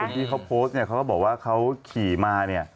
แต่คนที่เขาโพสต์เขาก็บอกว่าเขาขี่มา